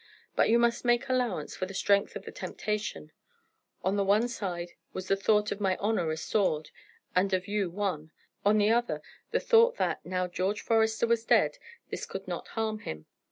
But you must make allowance for the strength of the temptation: on the one side was the thought of my honour restored, and of you won; on the other, the thought that, now George Forester was dead, this could not harm him.